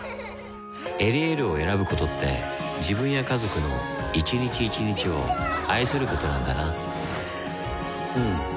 「エリエール」を選ぶことって自分や家族の一日一日を愛することなんだなうん。